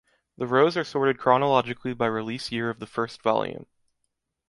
The rows are sorted chronologically by release year of the first volume.